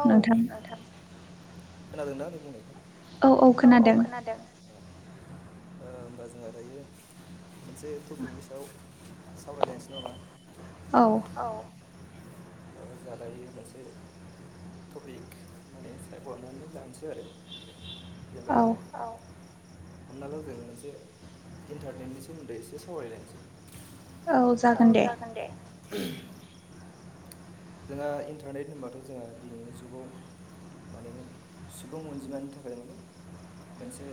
औ नोंथां खोनादोंना। औ औ खोनादों। ओ होमबा जोंहा दायो मोनसे टपिकनि सायाव सावरायलायनोसै नामा। औ। टपिक माने सायखनानै नानै लानसै आरो। जेनेबा औ हमना ला' जों मोनसे इन्टारनेटनि सोमोन्दै एसे सावरायलायनोसै औ जागोन दे। जोंहा इन्टारनेट होनबाथ' जोंहा दिनैनि जुगाव माने सुबुं अनजिमानि थाखाय माने मोनसे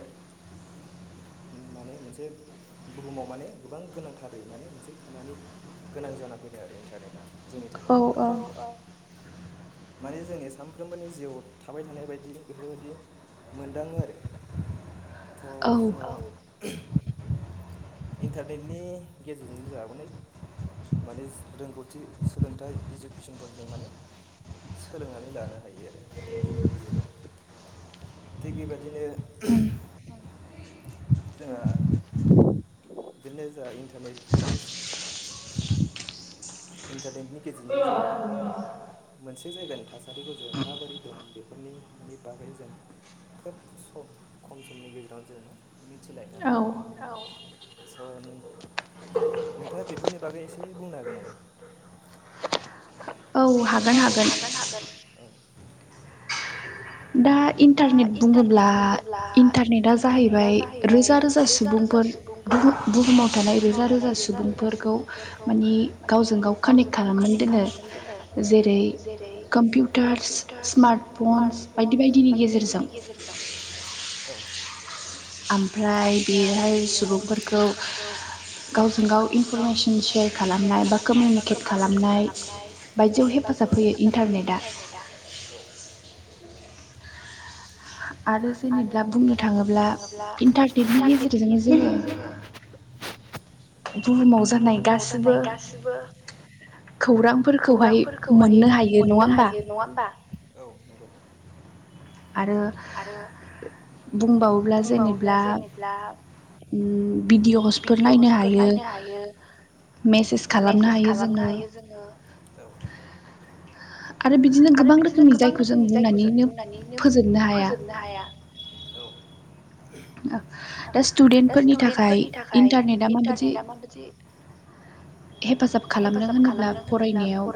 माने मोनसे बुहुमाव माने गोबां गोनांथारै माने मोनसे खामानि गोनां जाना फैदों आरो इन्टारनेटआ जोंनि थाखाय औ औ। माने जोंनि सानफ्रोमबोनि जिउआव थाबाय थानाय बायदि बेफोरबायदि मोनदाङो आरो थ' जोंहा औ। इन्टारनेटनि गेजेरजों जोंहा अनेे माने रोंगौथि सोलोंथाइ इडुकेसनफोरजों माने सोलोंनानै लानो हायो आरो दिनैनि जुगाव। थिग बेबायदिनो आं जोंहा बिदिनो जोंहा इन्टारनेटनि इन्टारनेटनि [unintelligible] मोनसे जायगानि थासारिखौ जों माबोरै दं बेफोरनि माने बागै जों खोब सम खम समनि गेजेराव जोङो मिथिलायनो हायो आरो औ। स' नोंथाङा बेफोरनि बागै एसे बुंनो हागोन नामा। औ हागोन हागोन। दा इन्टारनेट बुङोब्ला इन्टारनेटआ जाहैबाय रोजा रोजा सुबुंफोर सुबुंफोर बुहुमाव थानाय रोजा रोजा सुबुंफोरखौ माने गावजों गाव कानेक्ट खालामो दोनो जेरै कम्पिउटारस स्मार्ट फन्स बायदि बायदि नि गजेरजों। ओमफ्राय बेयोहाय सुबुंफोरखौ गावजों गाव इनफरमेसन सेयार खालामनाय बा कमिउनिकेट खालामनाय बायदियाव हेफाजाब हेफाजाब होयो इन्टारनेटआ औ आरो जेनेब्ला बुंनो थाङोब्ला इन्टारनेटनि गेजेरजोंनो जोङो [inaudible] बुहुमाव जानाय गासिबो खौरांफोरखौहाय मोननो हायो नङा होमबा औ। आरो बुंबावोब्ला जेनेब्ला उम भिडिअसफोर नायनो हायो। मेसेज खालामनो हायो जोङो औ। आरो बिदिनो गोबां रोखोमनि जायखौ जों बुंनानैनो फोजोबनो हाया। औ। दा स्टुडेन्टफोरनि थाखाय इन्टारनेटा माबायदि हेफाजाब खालामदों होनोब्ला फरायनायाव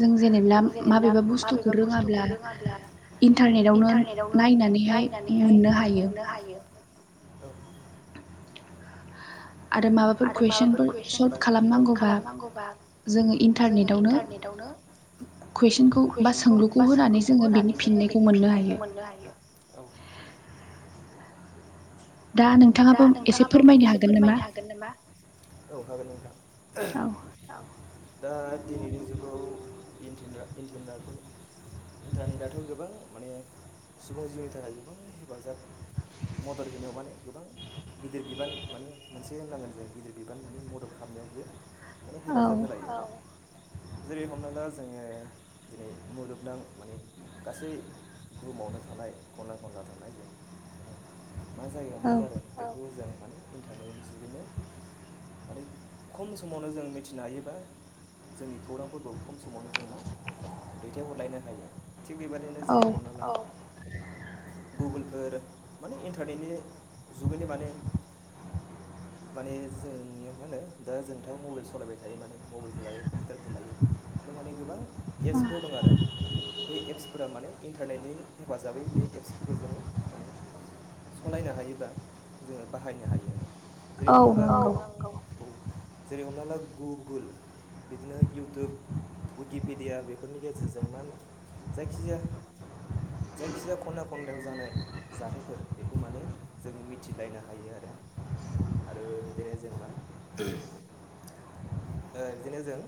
जों जेने जों जेनेब्ला माबेबा बुस्थुखौ रोङाब्ला इन्टारनेटावनो नायनानैहाय मोननो हायो। औ। आरो माबाफोर कुवइसनफोर सल्भ खालामनांगौबा जोङो इन्टारनेटआवनो कुइसनखौ बा सोंलुखौ होनानै जोङो बिनि फिननायखौ मोननो हायो औव। [unintelligible] दा नोंथाङाबो एसे फोरमायनो हागोन नामा। औव हागोन नोंथां औव दा दिनैनि जुगाव इन्टनेटथ' इन्टनेटथ' इन्टारनेटआथ' गोबां माने सुबुं जिउनि थाखाय गोबां हेफाजाब मदद होनायाव माने गिदिर बिबान माने मोनसे होननांगोन जों गिदिर बिबान माने मदद खालामनायाव बियो माने हेफाजाब होलायो जेरै हमना ला जोङो दिनै मुलुगनां माने गासै बुहुमाव थानाय खनला खनला थानाय जों माने मा जायगायाव मा जादों मोजां माने इन्टारनेट जुगैनो माने खम समावनो जों मिथिनो हायोबा जोंनि खौरांफोरखौ खम समावनो जों मोनो दैथायहरलायनो हायो थिग बेबायाददिनो जेरै हमना ला अ गुगोलफोर माने इन्टारनेटनि जुगैनो माने [inaudible] माने जोंनि मा होनो दा जोंथ' मबाइल सालायबाय थायो माने मबाइलफोर लायो कम्पिउटारफोर लायो बे माने गोबां एप्सफोरखौ दं आरो बे एप्सफोरा माने इन्टारनेटनि हेफाजाबै बे एप्सफोरखौ जोङो माने सलायनो हायोबा जोङो बाहायनो हायो आरो जेरै हमना ला औ नंगौ जेरै हमना ला गुगोल बिदिनो इउटुब उइकिपेडिया बेफोरनि गेजेरजों मा जायखिजाया जायखिजाया खनना खनलायाव जानाय जाथायफोर बेखौ माने जोंङ मिथिलायनो हायो आरो आरो बिदिनो जेनेबा ओ बिदिनो जों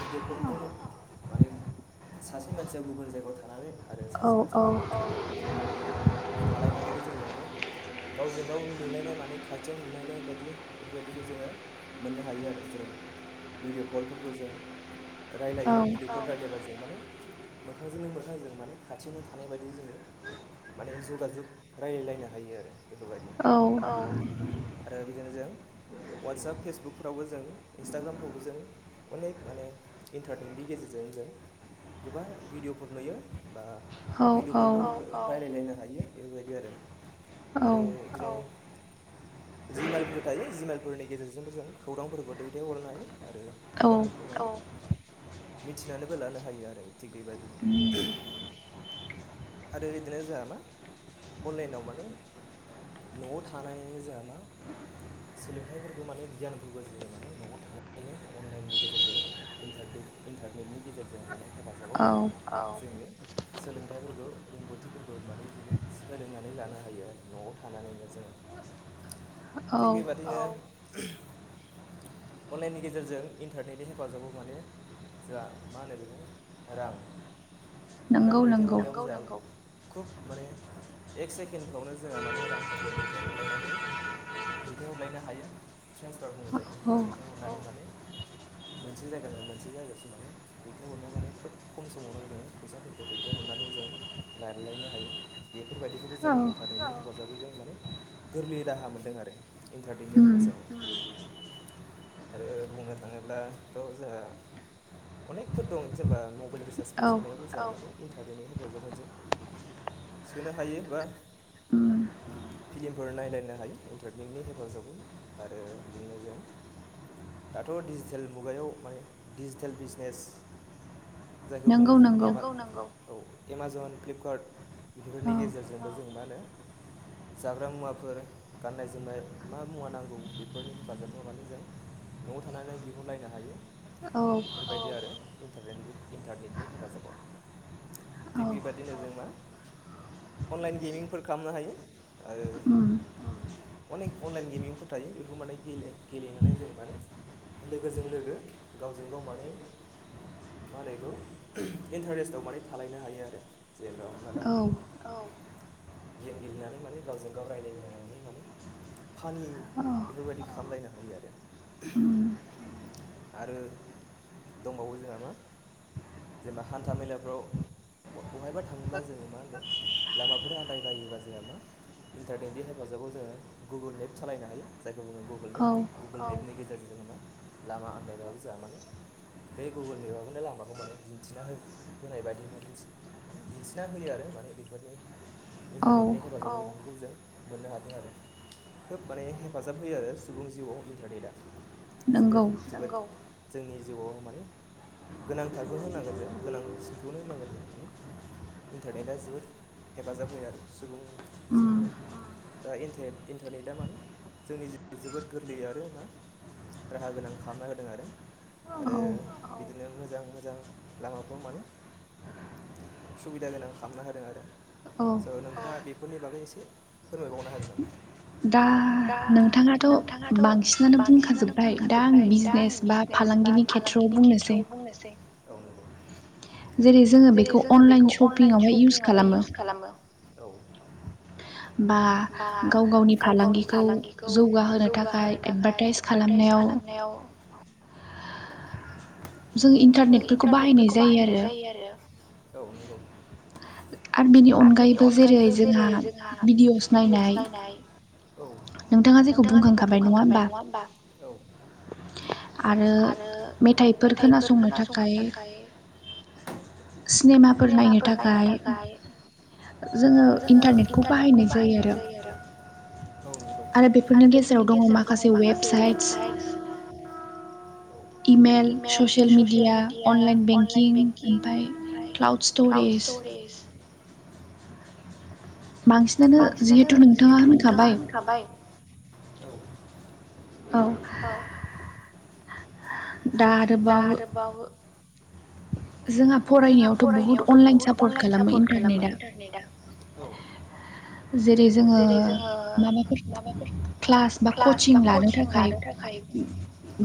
भिडिअ' कलखौनो माने सासे मानसिया गुबुन जायगायाव थानानै आरो सासे मानसिफोरखौबो [unintelligible] गावजों गाव नुलायनाय माने खाथियाव नुलायनाय बायदि बेफोरबायदिखौ जोङो मोननो हायो आरो जेरै भिडिअ कलफोरखौ जों रायलायो भिडिअ कल रायजलायबा जों माने मोखांजोंनो मोखांजों माने खाथियावनो थानाय बायदि जोङो माने जुगा जुग रायजलायलायनानै हायो आरो बेफोरबायदि आरो बिदिनो जों वाटसाप फेसबुकफ्रावबो जों इन्सटाग्रामफ्रावबो जों अनेक माने इन्टारनेटनि गेजेरजों जों गोबां भिडिअफोर नुयो बा भिडिअ कलफोरखौबो रायलायलायनो हायो बेबायदि आरो आरो जों जि मेइलफोर थायो जि मेइलफोरनि गेजेरजोंबो जों खौरांफोरखौ दै दैथायहरनो हायो। आरो खौरांफोरखौ औ मिथिनानैबो लानो हायो आरो थिग बेबायाददि आरो बिदिनो जोंहा मा अनलाइनाव माने न'आव थानानैनो जाया ना! सोलोंथाइफोरखौ माने गियानफोरखौ जोङो माने न'आव थानाय अनलाइननि गेजेरजों इन्टारनेटनि गेजेरजों माने हेफाजाबाव जोङो सोलोंथाइफोरखौ रोंगौथिफोरखौ माने जोङो सोलोंनानै लानो हायो आरो न'आव थानानैनो जोङो थिग बेबादिनो अनलाइननि गेजेरजों इन्टारनेटनि हेफाजाबाव माने जोंहा मा होनो बेखौ रां रां दैथायहरनो नंगौ नंगौ खुब माने एक सेकेन्दडफ्रावनो [unintelligible] ‌ रांफोरखौ दैथायहरलायनि दैथायहरायनो हायो बुङो जायखौ जा औ औ दैथायहरनो माने मोनसे जायगा मोनसे जायगासिम माने दैथायहरनायाव माने खोब खम समावनो जोङो फैसाफोरखौ दैथायहरनानै जौं लारलायनो हायो बेफोरबायदिखौबो जो इन्टारनेटनि हेफाजाबैजों माने गोरलै राहा मोन्दों आरो इन्टारनेटनि हेफाजाबाव। [inaudible] आरो बुंनो थाङोब्लाथ' जोंहा अनेखफोर दं जेनेबाब रिसास फोर सोंनाय आवबो [unintelligible] औ इन्टारनेटनि हेफाजाबफोरजों सोनो हायो बा उम फिलिमफोर नायलायनो हायो इन्टारनेटनि हेफाजाबै आरो बिदिनो जों दाथ' डिजिटेल मुगायाव माने डिजिटेल बिजनेस जायखौ बुङो जों नोंगौ नोंगौ औ इमाजन फ्लिपकार्त बेफोरनि गेजेरजोंबो औ जों मा होनो जाग्रा मुवाफोर गाननाय जोमनाय मा मुवा नांगौ बेफोरनि हेफाजाबखौ मानि जों न'आव थानानै बिहरलायनो हायो बेफोरबायदि आरो इन्टारनेटनि बे इन्टारनेटनि हेफाजाबाव थिग बेबादिनो जों मा अनलाइन गेमिंफोर खालामनो हायो आरो अनेक अनलाइन गेमिंफोर थायो बेखौ माने गेले गेलेनानै जों माने लोगोजों लोगो गावजों गाव माने माहोनो एखौ इन्टारेस्टआव माने थालायनो हायो आरो जेनेबा हमना ला औ गेम गेलेनानै माने गावजों गाव रायलायनानै माने फानि बेफोरबायदि खालामलायनो हायो आरो आरो दंबावो जोंहा मा जेनेबा हान्था मेलाफ्राव अहायबा थाङोब्ला जोङो मा होनदों लामाफोर हान फ्रायबायोबा जों मा इन्टारनेटनि हेफाजाबाव जोङो गुगोल मेप सालायनो हायो जाय बुङो गुगोल मेप गुगोल औ मेपनि गेजेरजों जोङो मा लामा आन्दायबाबो जोंहा माने बे गुगोलनिबाबैनो लामाखौ माने दिन्थिना हो होनाय बादि मोनो माने दिन्थना होयो आरो माने बेफोरनि इन्टारनेटनि औ हेफाजाबफोरखौ जों मोननो हादों आरो खोब माने हेफाजाब होयो आरो सुबुं जिउआव इन्टारनेटआ जोबोद जोबोद नंगौ जोंनि जिउआव माने गोनांथारखौनो होनांगोन जों गोनांसिनखौनो होनांगोन जों माने इन्टारनेटा जोबोद हेफाजाब होयो आरो सुबुंनि जिउमायाव दा इन्टार इन्टारनेटा माने जोंनि जिउआव जोबोद गोरलै आरो मा राहा गोनां खालामना होदों आरो आरो औ बिदिनो मोजां मोजां लामाफ्राव माने सुबिदा गोनां खामना होदों आरो स' औ नोंथाङा बेफोरनि बागै एसे फोरमायबावनो हागोन नामा दा नोंथाङाथ' बांसिनानो बुंखाजोब्बाय दा आं बिजनेस बा बा फालांगिनि खेथ्रआव बुंनोसै - औ नंगौ जेरै जोङो बेखौ अनलाइन सपिंआवहाय इउस खालामो औ बा गाव गावनि फालांगिखौ जौगाहोनो थाखाय एडभारटाइस खालामनायाव खालामनायाव [unintelligible] जों इन्टारनेटफोरखौ बाहायनाय जायो आरो औ नंगौ आरो बिनि अनगायैबो जेरै जोंहा भिडिअ'स नायनाय औ नोंथाङा जेखौ बुंखांखाबाय नङा होमबा औ। आरो मेथाइफोर खोनासंनो थाखाय सिनेमाफोर नायनो थाखाय जोङो इन्टारनेटखौ बाहायनाय जायो आरो। औ नंगौ आरो बेफोरनि गेजेराव दङ माखासे websites email social media online banking ओमफाय क्लाउड स्ट'रेज उरेस बांसिनानो जिहेथु नोंथाङा होनखाबाय। औ। औ। दा आरोबाव जोंहा फरायनायावथ' बहुत अनलाइन सापर्ट खालामबाय इन्टारनेटआ। जेरै जोंङो माबाफोर क्लास बा कचिं लानो थाखाय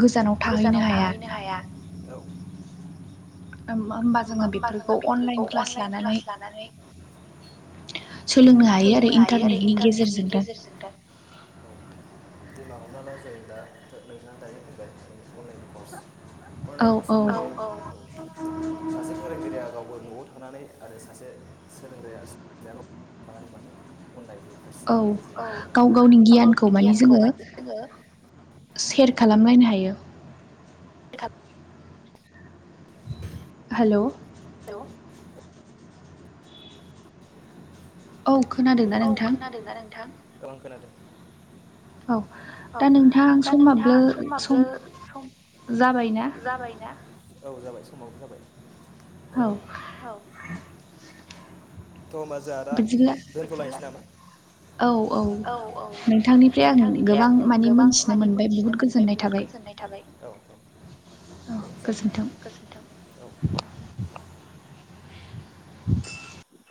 गोजानाव थाहैनो हाया औ। ओमबा होमबा जोंङो बेफोरखौ अनलाइन क्लास लानानै सोलोंनो हायो आरो इन्टारनेटनि गेजेरजों दा। जेनबा हमना ला जों दा नोंथाङा दायो बुंबाय माने अनलाइन कर्च। अनलाइन कर्चजों माने औ औ सासे फोरोंगिरिया गावबो नआव थानानै आरो सासे सोलोंग्राया [unintelligible] माने अनलाइन [unintelligible] औ औ गियानखौ माने जोंङो खालामलायनो हायो। हेलौ हेलौ औ खोनादोंना नोंथां? ओं खोनादों। औ दा नोंथां समाब्लो सम जाबायना औ जाबाय समाबो जाबाय। औ। थ होमबा जोंहा दा दोनथ'लायनोसै नामा? औ औ नोंथांनिफ्राय आं गोबां माने मोनथिनो मोनबाय बहुद गोजोननाय थाबाय। औ औ औ जागोन दे गोजोन्थों औ। [inaudible]